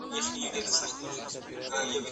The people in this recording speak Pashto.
دلته هیڅوک د خپلو حقونو څخه نه دی تېر سوی.